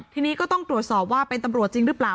ทีนี้ก็ต้องตรวจสอบว่าเป็นตำรวจจริงหรือเปล่า